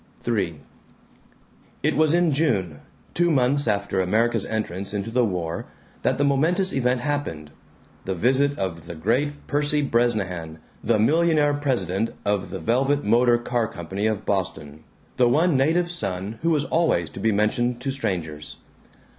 III It was in June, two months after America's entrance into the war, that the momentous event happened the visit of the great Percy Bresnahan, the millionaire president of the Velvet Motor Car Company of Boston, the one native son who was always to be mentioned to strangers.